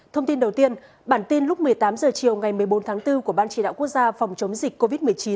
thông tin đầu tiên bản tin lúc một mươi tám h chiều ngày một mươi bốn tháng bốn của ban chỉ đạo quốc gia phòng chống dịch covid một mươi chín